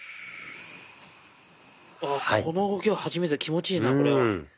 この動きは初めて気持ちいいなこれは。